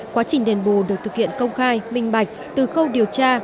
quá trình đền bù được thực hiện công khai minh bạch từ khâu điều tra